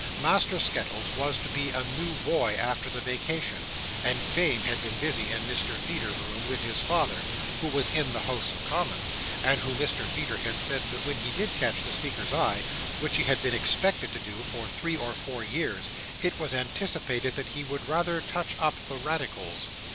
Master Skettles was to be a new boy after the vacation, and Fame had been busy, in Mr Feeder's room, with his father, who was in the House of Commons, and of whom Mr Feeder had said that when he did catch the Speaker's eye (which he had been expected to do for three or four years), it was anticipated that he would rather touch up the Radicals.